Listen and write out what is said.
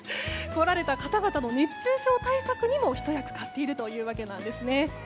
来られた方々の熱中症対策にもひと役買っているわけです。